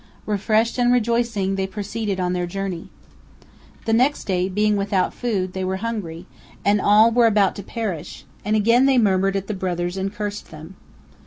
Refreshed and rejoicing, they proceeded on their journey. The next day, being without food, they were hungry, and all were about to perish; and again they murmured at the brothers and cursed them.